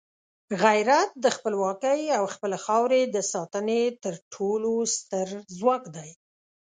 غیرت د خپلواکۍ او خپلې خاورې د ساتنې تر ټولو ستر ځواک دی.